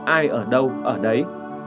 ai ở đâu ở đấy